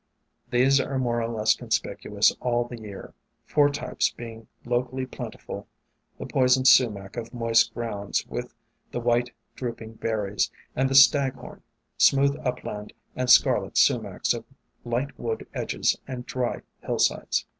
These are more or less conspicuous all the year, four types being locally plentiful — the Poison Sumac of moist grounds, with the •^^. white, drooping berries, and the Staghorn, Smooth Upland and Scarlet Sumacs of light wood edges and dry hillsides.